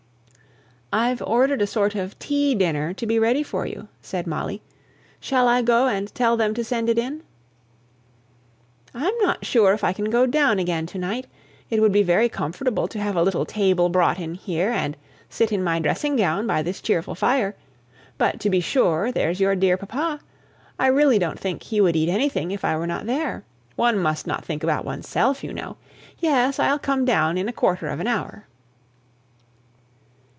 "I've ordered a sort of tea dinner to be ready for you," said Molly. "Shall I go and tell them to send it in?" "I'm not sure if I can go down again to night. It would be very comfortable to have a little table brought in here, and sit in my dressing gown by this cheerful fire. But, to be sure, there's your dear papa? I really don't think he would eat anything if I were not there. One must not think about oneself, you know. Yes, I'll come down in a quarter of an hour."